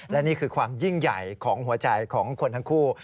และนี่คือความยิ่งใหญ่ของหัวใจของคนทั้งคู่